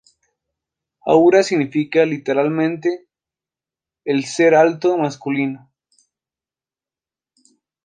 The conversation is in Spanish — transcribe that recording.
Ahura significa, literalmente, el ‘ser alto’ masculino.